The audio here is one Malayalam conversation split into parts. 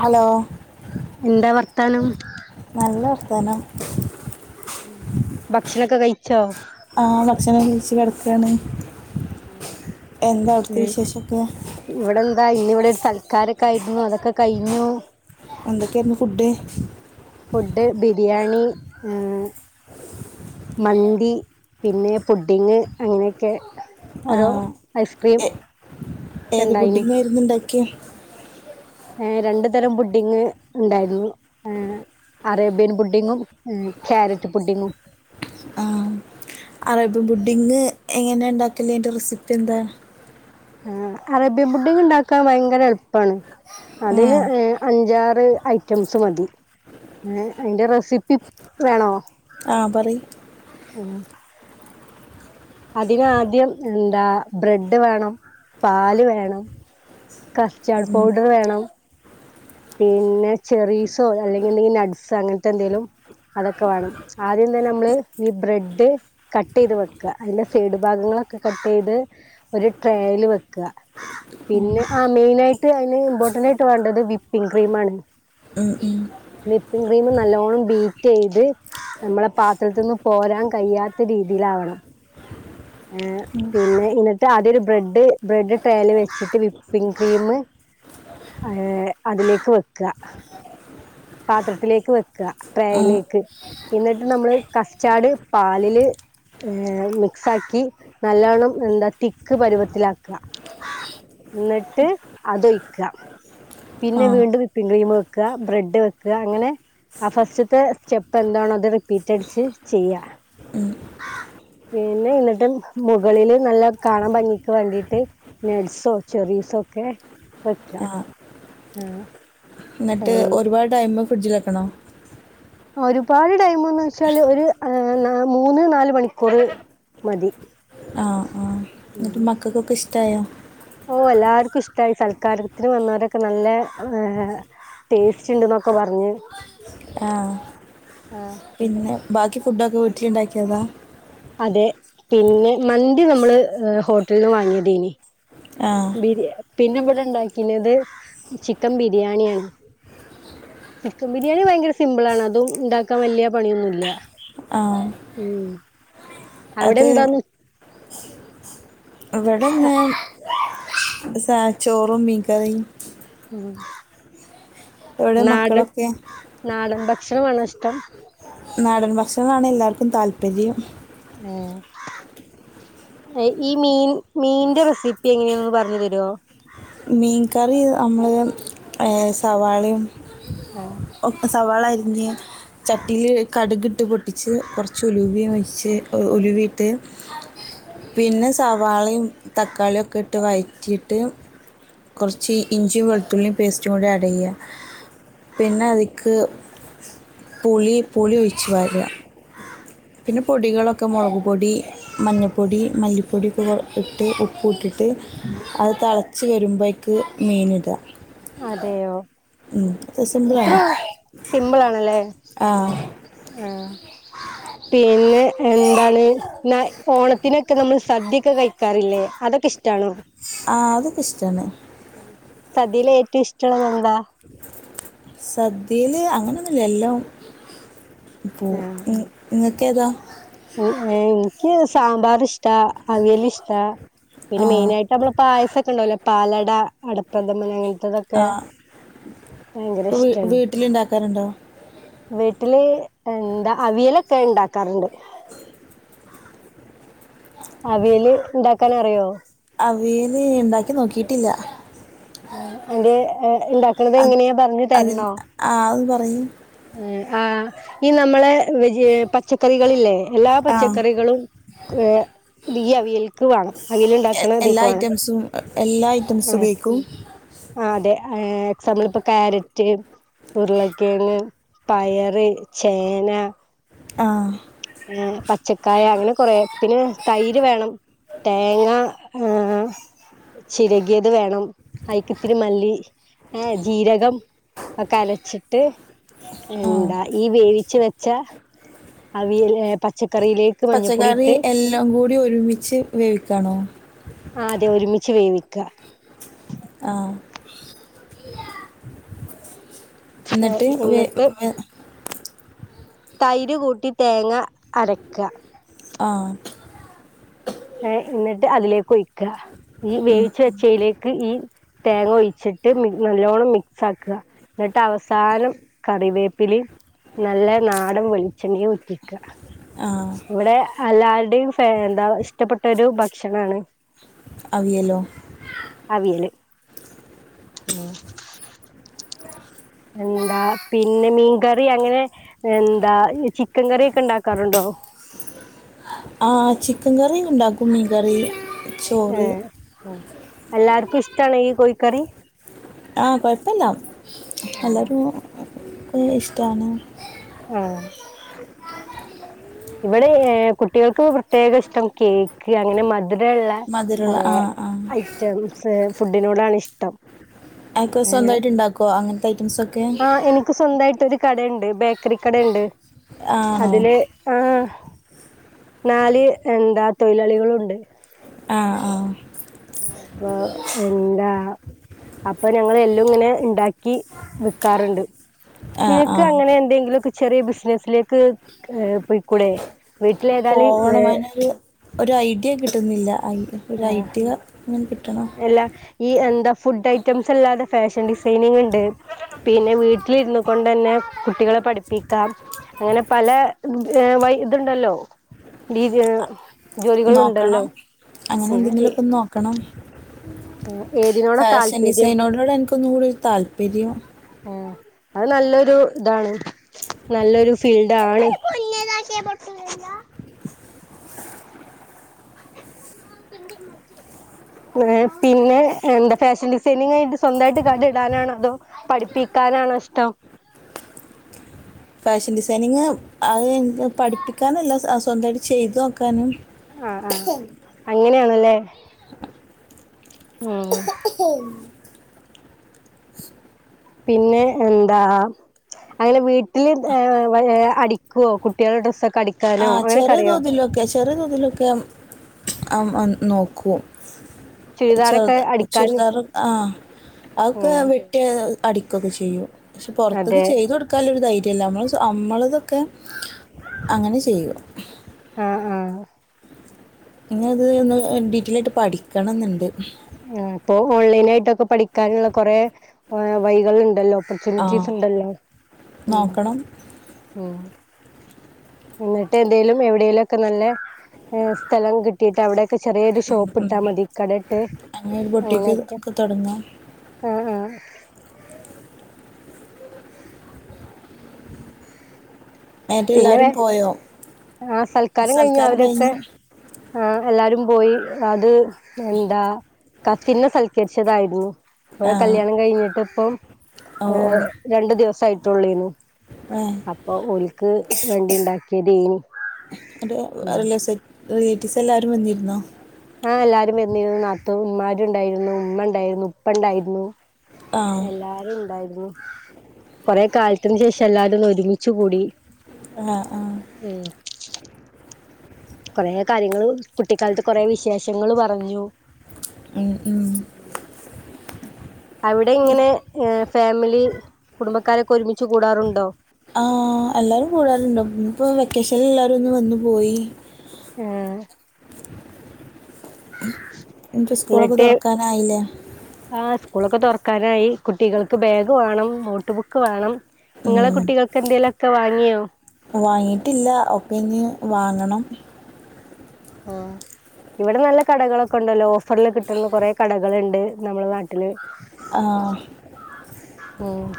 ഹലോ എന്താ വർത്താനം നല്ല വർത്താനം ഭക്ഷണൊക്കെ കയിച്ചോ ആഹ് ഭക്ഷണം കയിച്ച കെടക്കാണ് എന്താ അവിടുത്തെ വിശേഷൊക്കെ ഇവിടെ എന്താ ഇന്ന് ഇവിടെ ഒരു സൽക്കാരൊക്കെ ആയിരുന്നു അതൊക്കെ കയിഞ്ഞു എന്തക്കാന്ന് ഫുഡ് ഫുഡ് ബിരിയാണി ഉം മന്തി പിന്നെ പുഡ്ഡിഠങ് അങ്ങനെയൊക്കെ ആ ഓരോ ഐസ്ക്രീം എ- ഒക്കെ ഏത് ഉണ്ടായിനി ബുഡിങ്ങായിരുന്നു ഇണ്ടാക്കിയെ ഏ രണ്ടു തരം ബുഡിങ്ങ് ഉണ്ടായിരുന്നു ഉം അറേബ്യൻ പുഡിങ്ങും ക്യാരറ്റ് പുഡിങ്ങും ആഹ് അറേബ്യൻ ബുഡിങ്ങ് എങ്ങനെ ഇണ്ടാക്കല്ല് അതിന്റെ റെസിപ്പി എന്താ ആ അറേബ്യൻ ഫുഡിങ് ഇണ്ടാക്കാൻ ഭയങ്കര എളുപ്പാണ് ആ അതിന് ഏ അഞ്ചാറ് ഐറ്റംസ് മതി ഏ അതിന്റെ റെസിപ്പി വേണോ ആ പറയ് മ [unintelligible] അതിനാദ്യം എന്താ ബ്രെഡ് വേണം പാല് വേണം കസ്റ്റാർഡ് പൗഡർ വേണം പിന്നെ ചെറീസോ അല്ലെങ്കിൽ നട്ട്സ്ോ അങ്ങനത്തെ എന്തെിലും അതൊക്കെ വേണം ആദ്യം തന്നെ നമ്മള് ഈ ബ്രെഡ് കട്ട് യ്ത് വെക്ക അതിന്റെ സൈഡ് ഭാഗങ്ങളൊക്കെ കട്ട് യ്ത് ഒരു ട്രൽ വെക്ക ഉം, പിന്നെ ആ മെയിന ആയിട്ട് അതിന് ഇമ്പോർട്ടന്റ് ആയിട്ട് വേണ്ടത് വിപ്പിംഗ ക്രീം ആണ് ഉം ഉം വിപ്പിംഗ ക്രീം നല്ലോണ്ണംബീറ്റ് യ്ത് നമ്മളെ പാത്രത്തൊന്നും പോരാൻ കഴിയാത്ത രീതിയിലാവണം ഏ ഉം പിന്നെ എന്നിട്ട് ആദ്യ ഒരു ബ്രെഡ് ബ്രെഡ് ട്രയൽ വെച്ചിട്ട് വിപ്പിങ് ക്രീം ഏ അതിലേക്ക് വെക്ക പാത്രത്തിലേക്ക് ആ വെക്കട്രയയിലേക്ക് എന്നിട്ട് നമ്മള് കസ്റ്റാട് പാലില് ഏ മിക്സ് ആാക്കി നല്ലവണ്ണം എന്താ തിക്ക് പരുവത്തിലാക്ക എന്നിട്ട് അതൊയ്ക്ക ആ പിന്നെ വീണ്ടും വിപ്പിംഗ ക്രീം വെക്കുക ബ്രെഡ് വെക്കുക അങ്ങനെ ആ ഫസ്റ്റത്തെ സ്റ്റെപ്പ് എന്താണോ അത് റിപ്പീറ്റ് അടിച്ച് ചെയ്യാ ഉം, പിന്നെ എന്നിട്ട് മുകളില് നല്ല കാണൻ ഭംഗിക്ക് വേണ്ടിട്ട് നഡ്സോ ചെറീസോ ഒക്കെ വെക്കാം ആഹ് ന്നട്ട് ഉം ഒരുപാട് ടൈം ഫ്രിഡ്ജിലെക്കണോ ഒരുപാട് ടൈമ്ന്ന് വെച്ചാല് ഒരു മൂന്ന് നാല് മണിക്കൂറ് മതി ആഹ് ആഹ് ന്നട്ട് ഉം മക്കക്കൊക്കെ ഇഷ്ടായോ ഓ എല്ലാർക്കും ഇഷ്ടമായി സൽക്കാരത്തിന് വന്നോരൊക്കെ നല്ല ഏ ടേസ്റ്റ് ഇണ്ട്ന്നൊക്കെ പറഞ്ഞ് ആ ആഹ് പിന്നെ ബാക്കി ഫുഡൊക്കെ വീട്ട്ല്ണ്ടാക്ക്യേതാ അതെ പിന്നെ മന്തി നമ്മള് ഹോട്ടൽന്ന് വാങ്ങിയതേനി ആ ബിരിയ പിന്നെ ബടെ ഇണ്ടാക്കിനത് ചിക്കൻ ബിരിയാണിയാണ് ചിക്കൻ ബിരിയാണി ഭയങ്കര സിമ്പിൾ ആണ് അതും ഇണ്ടാക്കാൻ വല്യെ പണിയൊന്നുല്ല ആ ഉം അത് അവിടെന്താന്ന് ഇവടെന്ന് സാചോറും മീൻകറിം ഉം ഇവിടെ നാടൻ മക്കളൊക്കെ നാടൻ ഭക്ഷണവാണോ ഇഷ്ടം നാടൻ ഭക്ഷണാണ് എല്ലാര്ക്കും താല്പര്യം ഏ ഈ മീൻ മീന്റെ റെസിപ്പി എങ്ങനെയാന്നൊന്ന് പറഞ്ഞു തെരോ മീൻ കറി അമ്മള് സവാളീം ആഹ് ഒക്കെ സവാളരിഞ്ഞ് ചട്ടീല് കടുക് ട്ട് പൊട്ടിച്ച് കൊർച്ച് ഉലുവിം ഒഴിച് ഉലുവിട്ട് ഉ [unintelligible] പിന്നെ സവാളീം തക്കാളിയൊക്കെ ഇട്ട് വഴറ്റിയിട്ട് കൊർച്ച് ഇഞ്ചിയും വെളുത്തുള്ളിയും പേസ്റ്റും കൂടി ആഡെയ്യാ പിന്നെ അതിക്ക് പുളി പുളി ഒഴിച്ച് പാരാ പിന്നെ പൊടികളൊക്കെ മൊളക്പൊടി മഞ്ഞപ്പൊടി മല്ലിപ്പൊടിക്കെ ഇട്ട് ഉപ്പു ഇട്ടിട്ട് അത് തളച്ച് വെരുമ്പയ്ക്ക് മീന് ഇടാ അതെയോ ഉം ഇത്ര സിമ്പിളാണ് സിമ്പ്ളാണല്ലേ ആ ആഹ് പിന്നെ എന്താണ് ന്ന ഓണത്തിനൊക്കെ നമ്മൾ സദ്യൊക്കെ കഴ് ക്കാറില്ലേ അതൊക്കെ ഇഷ്ടാണോ ആഹ് അതൊക്കെ ഇഷ്ടാണ് ഉം സദ്യയില് ഏറ്റവും ഇഷ്ടള്ളത് എന്താ സദ്യയില് അങ്ങനെന്നുല്ല എല്ലോം പോവും ഇങ്ങക്ക് ഏതാ എ ഇൻക്ക് സാമ്പാർ ഇഷ്ട അവിയല് ഇഷ്ടാ ആ പിന്നെ മെയിനായിട്ടമ്മളെ പായസൊക്കെ ണ്ടാവൊല്ലോ പാലട അടപ്രദമന് അങ്ങൻ ആ ത്തതൊക്കെ ഭയങ്കര ഇഷ്ടാണ് വീട്ടില് ഇണ്ടാക്കാറ്ണ്ടോ വീട്ടില് എന്താ അവിയലൊക്കെ ഇണ്ടാക്കാറ്ണ്ട് അവിയല് ഇണ്ടാക്കാനറിയോ അവിയല് ഇണ്ടാക്കി നോക്കിയിട്ടില്ല ആഹ് എന്റെ ഇണ്ടാക്ക്ണത് എങ്ങനെ പറഞ്ഞ് തെര്നോ ആഹ് അഹ് ഒന്ന് പറയി ഏ ആഹ് ഈ നമ്മളെ വെജ് പച്ചക്കറികളല്ലേ എല്ലാ ആ പച്ചക്കറികളും ഏ തീ അവിയൽക്ക് വാണം അവിയല് ഇണ്ടാക്ക്ണ എല്ലാ ഇതീക്ക് വാണം ഐറ്റംസും എ എല്ലാ ഐറ്റംസും ഉപയോയ്ക്കും. ആ അതെ ഹെ എക്സാമ്പിൾ ഇപ്പൊ കരറ്റ് ഉരുളക്കിഴങ് പയറ് ചേന ആഹ ആ പച്ചക്കായ അങ്ങനെ കൊറ പിന്നെ തൈര് വേണം തേങ്ങ ഏേ ചിരകിയത് വേണം അയ്ക്ക്ത്തിരി മല്ലി ഏേ ജീരകം ഒക്കെ അരച്ചിട്ട് ആ എന്താ ഈ വേവിച്ച് വെച്ച അവിയൽ പച്ചക്കറിയിലേക്ക് മഞ്ഞൾപ്പൊടി പച്ചക്കറി ഇട്ട്. എല്ലാം കൂടി ഒരുമിച്ച് വേവിക്കണോ? ആ അതെ ഒരുമിച്ച് വേവിക്ക ആഹ എന്നിട്ട് വെ എന്നിട്ട് വെ തൈര് കൂട്ടി തേങ്ങ അരക്ക ആഹ ഏേ എന്നിട്ട് അതിലേക്ക് ഒയിക്ക ഈ വേവിച് വെച്ചയിലേക്ക് ക്ക് ഈ തേങ്ങ ഒഴിച്ചിട്ട് മി നല്ലോണ്ണം മിക്സ് ആക്ക എന്നിട്ട് അവസാനം കറിവേപ്പിലിം നല്ല നാടൻ വെളിച്ചെണ്ണയ ഉറ്റിക്ക ആഹ ഇവിടെ അല്ലാരുടെയും ഫ എന്താ ഇഷ്ടപ്പെട്ടരു ഭക്ഷണമാണ്. അിവിയല്ലോ അവിയല് ഉം എന്താ പി പിന്നെ മീൻകറി അങ്ങനെ എന്താ ചിക്കൻ കറിയൊക്കെ ഉണ്ടാക്കാറുണ്ടോ? ആ ചിക്കൻ കറി ഉണ്ടാക്കും മീൻ കറി ചോറ് ഉം അല്ലാർക്കും ഇഷ്ടണെ ഈ കോഴിക്കറി ആ കോഴപ്പല്ല എല്ലരും ഹെ ഇഷ്ടാണ് അഹ്‌ ഇവിടെ ഹെ കുട്ടികൾക്ക് പ്രത്യേക ഇഷ്ടം കേക്ക് അങ്ങനെ മധ് മത് രള്ള മധുരള്ള ആ ആ ഐറ്റംസ് ഫുഡിനോടാണ് ഇഷ്ടം. അക്കെ സ്വന്തയിട്ട് ഇണ്ടാക്കെ അങ്ങനത്തെ ഐറ്റംസ് ആ് എനിക്ക് സ്വന്തയിട്ടൊരു കടയുണ്ട് ബേക്കറി കടണ്ട് ആണോ? അതില് ആഹ നാല് എന്താ തൊഴിലാളികളുണ്ട്. ആഹ ആഹ അപ്പൊ എന്താ അപ്പൊ ഞങ്ങൾ എല്ലാം ഇങ്ങനെ ഇണ്ടാക്കി വിക്കാറുണ്ട് ആ ആ നിനക്ക് അങ്ങനെ എന്തെങ്കിലും ഒക്കെ ചെറിയ ബിസിനസിലേക്ക് പോയിക്കൂടെ വീട്ടില ഏതായാലും വെ പോവണം അതിനൊരു ഒരു ഐഡിയ കിട്ടുന്നില്ല ഐ ഒരു ഐഡിയ ങ്ങനെ കിട്ടണം എല്ലാം ഈ എന്താ ഫുഡ് ഐറ്റംസ് അല്ലാതെ ഫാഷൻ ഡിസൈനിങ് ഇണ്ട് പിന്നെ വീട്ടിലിരുന്നു കൊണ്ടന്നെ കുട്ടികളെ പഠിപ്പിക്കാം അങ്ങനെ പല വൈ ഇതുണ്ടല്ലോ രീതി ജോലികൾ ഉണ്ടല്ലോ നോക്കണം. അങ്ങനെ എന്തെങ്കിലുക്കെ നോ ക്കണം ഏതിനോടാ ഫാഷൻ താല്പര്യം ഡിസൈനോടൂടെ എനിക്കൊന്നുകൂടെ താല്പര്യം ഉം അത് നല്ലൊരു ഇതാണ് നല്ലൊരു ഫീൽഡ് ആണ് ഇങ്ങള് പിന്നെ എന്താ ഫാഷൻ ഡിസൈനിങ് കഴിഞ്ഞ്ട്ട് സ്വന്തായിട്ട് കട ഇടാനാണോ അതോ പഠിപ്പിക്കാനാണോ ഇഷ്ടം ഫാഷൻ ഡിസൈനിങ് അത് ഇൻക്ക് പഠിപ്പിക്കാനും അല്ല സ്വന്തായിട്ട് ചെെത് നോക്കാനും ഉ അങ്ങനെയാണ്ലെ പിന്നെ എന്താ അങ്ങനെ വീട്ടില്ത് ഏ വ ഏ അടിക്കുവോ കുട്ട്യേളെ ഡ്രസ്സൊക്കെ ആ അടിക്കാനോ അങ്ങനെയെക്കെ ചെറിയ അറിയോ തോതിലൊക്കെ ചെറിയ തോതിലൊക്കെ അം അൻ നോക്കും ചുരിദാറൊക്കെ ചെറുത് അടിക്കാന് ചുരിദാറ് ആഹ് അതൊക്കെ ഉം വെ റ്റ് അടികൊക്കെ ചിയ്യും പക്ഷെ പാെറത്ത്ക്ക് അതെ ചെയ്തു കൊട് ക്കാല്ലൊരു ധൈര്യം ഇല്ല അമ്മള് സ്വ അമ്മളതൊക്കെ അങ്ങനെ ചെയ്യും ആഹ് ആഹ് ഇങ്ങനെ ഒര്ഇത് ഒന്ന് ഡിഗ്രിആയിട്ട് പഠിക്കണംന്ന് ഇണ്ട് ആഹ് ഇപ്പൊ ഓൺലൈനായിട്ടാെക്കെ പഠിക്കാന്ള്ള കാെറെ വയികള് ഇണ്ടല്ലോ ആ ഫെസിലിറ്റീസ് ഇണ്ടല്ലോ ഉം നോക്കണം ഉം ഇന്ന്ട്ട് എന്തേലും എവിടേലൊക്ക നല്ല ഹ് സ്ഥലം കി ട്ടീയിട്ട് അവെടെ എക്കെ ചെറിയൊര് ഷോപ്പ് ഇട്ടാമതി കടയിട്ട് അങ്ങനെ ഒരു പൊട്ടിക്ക് അങ്ങനെയൊക്കെ ഒക്കെ താെടങ്ങാ ആഹ് ആഹ് എന്നിട്ട് പിന്നെ എല്ലാവരും പോയോ ആഹ് സൽക്കാരം കഴിഞ്ഞോ അവരൊക്കെ ആഹ് എല്ലാരും പോയി അത് എന്താ കസിൻന്നെ സൽക്കെരിച്ചതായിരുന്നു അപ്പൊ ആ ഓലെ കല്യാണം കഴിഞ്ഞ്ട്ട് ഇപ്പൊ ഓ ഓ ഏ രണ്ട് ദിവസം ആയിട്ടൊള്ളേനു അപ്പൊ ഓല് ഇസ് ഇസ് റ് വ് അ ഉം റിലെസെറ്റ് റിലേറ്റീവ്സ് എല്ലാരും വന്നിര്ന്നോ ആഹ് എല്ലാരും വെന്നിരുന്നു നാത്തൂ ഇമ്മാര് ഇണ്ടായിരുന്നു ഇമ്മ ഇണ്ടായിരുന്നു ഉപ്പ ഇണ്ടായിരുന്നു ആ എല്ലാരും ഇണ്ടായിരുന്നു കാെറെേ കാലത്തിന് ശേഷം എല്ലാവരും ഒന്ന് ഒരുമിച്ച്കൂടി ആഹ് ആഹ് ഉം കാെറേ കാര്യങ്ങള് കുട്ടിക്കാലത്ത് കൊറേ വിശേഷങ്ങള് പറഞ്ഞു ഉം ഉം ഉം അവിടെ ഇങ്ങനെ ഹ് ഫാമിലി കുടുംബക്കാരൊക്കെ ഒരുമിച്ച് കൂടാറുണ്ടോ ആഹ്‌ എല്ലരും കൂടാറ്ഇണ്ടോ ഇപ്പോ വെക്കേഷൻല് എല്ലാരും ഒന്ന് വന്നു പോയി ഏഹ് എന്ത്റ് സ്കൂളൊക്കെ താെറക്കാനായിലെ ആഹ്‌ സ്കൂളൊക്കെ തെറക്കാരായി കുട്ടികൾക്ക് ബാഗ് വാണം നോട്ട് ബുക്ക് വാണം ഇങ്ങളെ ഉം. കുട്ടികൾക്ക് എന്തേലക്ക വാങ്ങിയോ വാങ്ങിയിട്ടില്ല ഒപ്പെ ഇഞ്ഞ് വാങ്ങണം ആഹ്‌ ഇവിടെ നല്ല കടകളൊക്കെ ഉണ്ടല്ലോ ഓഫറിൽ കിട്ടുന്ന കുറെ കടകളുണ്ട് നമ്മുടെ നാട്ടില് ആഹ്‌ ഉം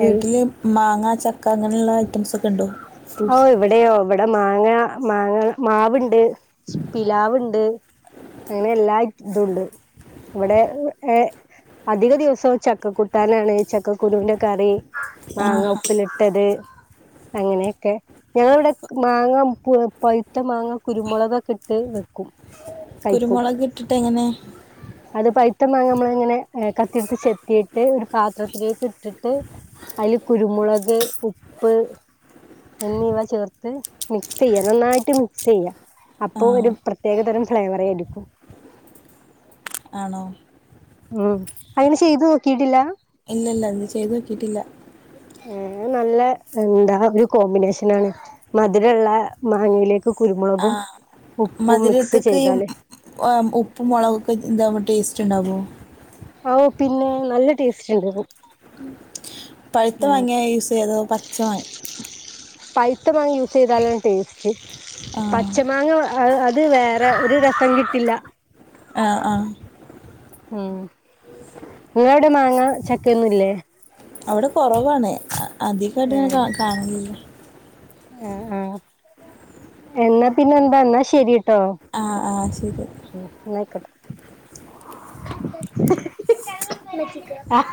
വീട്ടില് മാങ്ങ ചക്ക അങ്ങനെയുള്ള ഐറ്റംസ് ഒക്കെ ഉണ്ടോ ഫ്രൂട്ട്സ് ഓഹ്‌ ഇവിടെയോ ഇവിടെ മാങ്ങ മാങ്ങ മാവുണ്ട് പിലാവുണ്ട് അങ്ങനെ എല്ല ഇതുണ്ട് ഇവിടെ ഏഹ്‌ അധിക ദിവസവും ചക്കക്ക കുട്ടാനാണ് ചക്കക്കുരുവിന്റെ കറി ആ മാങ്ങ ആ ഉപ്പിലിട്ടത് അങ്ങനെ ക്കെ ഞങ്ങളിവിടെ മാങ്ങ പഴുത്ത മാങ്ങ കുരുമുളകൊക്കെ ഇട്ട് വെക്കും കഴിക്കും കുരുമുളക് ഇട്ടിട്ട് എങ്ങനെ [inaudible] അത് പൈത്തമാങ്ങാ നമ്മള ഇങ്ങനെ കത്തിടുത്ത് ചെത്തിയിട്ട് ഒരു പാത്രത്തിലേക്ക് ഇട്ടിട്ട് അയിൽ കുരുമുളക് ഉപ്പ് എന്നിവ ചേർത്ത് മിക്സ് ചെയ്യ നന്നായിട്ട് മിക്സ് ചെയ്യ അപ്പൊ ഒരു ആഹ് പ്രത്യേക തരം ഫ്ലേവറ ആയിരിക്കും ആണോ ഉം അയിന് ചെയ്തു നോക്കിയിട്ടില്ല ഇല്ല ഇല്ല ഇന്ന് ചെയ്ത് നോക്കിയിട്ടില്ല ഏഹ്‌ നല്ല എന്താ ഒരു കോമ്പിനേഷനാണ് മധുരള്ള മാങ്ങയിലേക്ക് കുരുമുളകും ആഹ് ഉപ്പും മിക്സ് ചെയ്താല് ഓഹോ ഉപ്പും മുളകൊക്കെ എന്താകുമ്പോൾ ടേസ്റ്റ് ഉണ്ടാവേ ഓഹ്‌ പിന്നെ നല്ല ടേസ്റ്റ് ഉണ്ടവും പഴുത്ത മങ്ങാണ് യൂസ് ചെയ്ത പച്ച മാങ്ങ പായുത്ത മാങ്ങ യൂസ് ചെയ്തലാണ് ടെസ്റ്റ്‌ ആഹ് പച്ചമാങ്ങ അത് വേറെ ഒരു രസം കിട്ടില്ല ആഹ്‌ ആഹ് ഉം നിങ്ങളെ അവിടെ മാങ്ങ ചക്കഒ ന്നുംല്ലേ അവിടെ കുറവാണ് അധികമായിട്ട് അങ്ങനെ കാണാൽ ഇല്ല ആഹ്‌ ആഹ്‌ എന്നാ പിന്നെ എന്താന്നാ ശരിട്ടോ ആഹ്‌ ആഹ്‌ ശരി ഉം ന്നായ്ക്കോട്ടെ ആഹ്